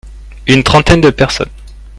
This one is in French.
Une trentaine de personnes.